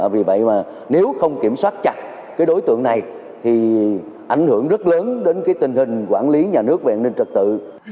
vì vậy mà nếu không kiểm soát chặt cái đối tượng này thì ảnh hưởng rất lớn đến cái tình hình quản lý nhà nước về an ninh trật tự